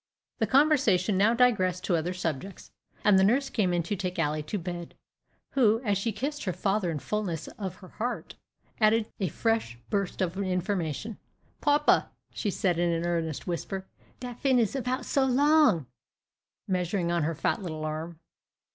The conversation now digressed to other subjects, and the nurse came in to take Ally to bed; who, as she kissed her father, in the fulness of her heart, added a fresh burst of information. "Papa," said she, in an earnest whisper, "that fin is about so long" measuring on her fat little arm.